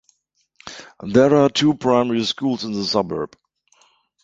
There are two primary schools in the suburb.